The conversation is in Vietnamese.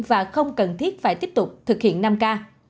và không cần thiết phải tiếp tục thực hiện năm k